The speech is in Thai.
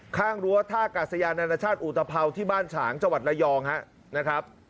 รั้วท่ากาศยานานาชาติอุตภัวที่บ้านฉางจังหวัดระยองนะครับ